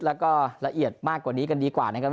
แล้วก็ละเอียดมากกว่านี้กันดีกว่านะครับ